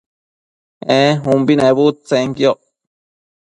ee umbi nebudtsenquioc